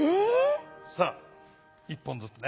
さあ１本ずつね。